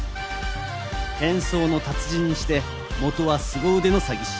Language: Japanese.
変装の達人にして元はすご腕の詐欺師。